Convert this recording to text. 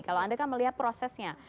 kalau anda kan melihat prosesnya